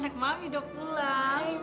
aku mau pulang